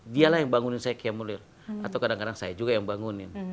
dialah yang bangunin saya kia mulir atau kadang kadang saya juga yang bangunin